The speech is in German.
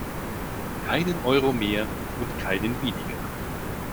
Keinen Euro mehr und keinen weniger.